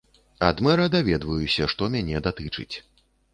Ад мэра даведваюся, што мяне датычыць.